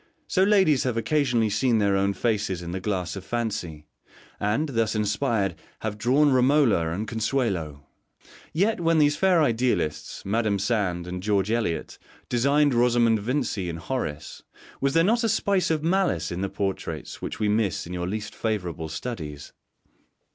So ladies have occasionally seen their own faces in the glass of fancy, and, thus inspired, have drawn Romola and Consuelo. Yet when these fair idealists, Mdme. Sand and George Eliot, designed Rosamund Vincy and Horace, was there not a spice of malice in the portraits which we miss in your least favourable studies?